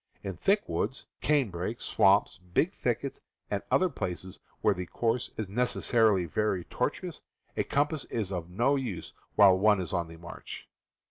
In thick woods, canebrakes, swamps, big thickets, and other places where the course is necessarily very tortuous, a compass is of no use while one is on the march.